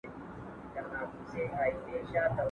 ¬ پخوا به مړانه په سيالي وه، اوس سپيتانه په سيالي ده.